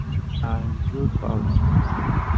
All Your Fault: Pt.